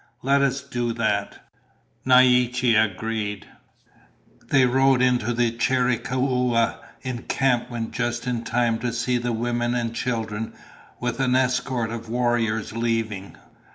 "Let us do that," Naiche agreed. They rode into the Chiricahua encampment just in time to see the women and children, with an escort of warriors, leaving.